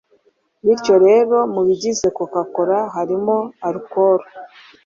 Bityo rero, mu bigize coca cola harimo “alcohol”